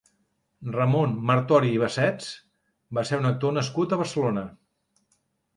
Ramon Martori i Bassets va ser un actor nascut a Barcelona.